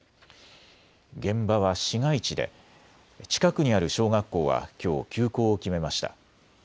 現場は市街地で近くにある小学校はきょう休校を決めました。